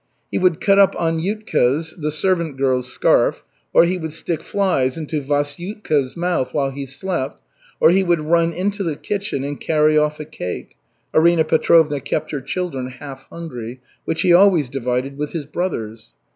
He would cut up Aniutka's, the servant girl's, scarf, or he would stick flies into Vasiutka's mouth while he slept, or he would run into the kitchen and carry off a cake (Arina Petrovna kept her children half hungry), which he always divided with his brothers.